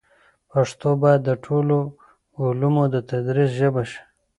پښتو باید د ټولو علومو د تدریس ژبه شي.